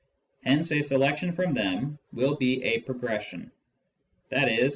Hence a selection from them will be a pro gression ; i.e.